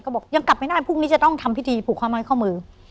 บอกยังกลับไม่ได้พรุ่งนี้จะต้องทำพิธีผูกข้อไม้ข้อมือ